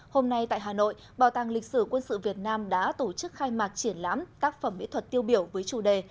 hôm nay tại hà nội bảo tàng lịch sử quân sự việt nam đã tổ chức khai mạc triển lãm tác phẩm mỹ thuật tiêu biểu với chủ đề